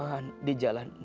yang senantiasa aman di jalanmu